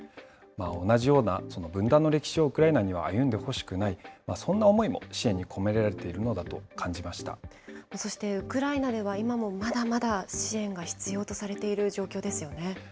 同じような分断の歴史をウクライナには歩んでほしくない、そんな思いも支援に込められているのだそしてウクライナでは今もまだまだ支援が必要とされている状況ですよね。